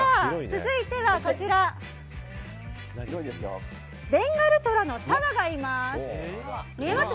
続いては、ベンガルトラのさわがいます。